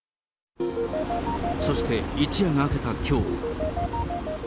そして、一夜が明けたきょう。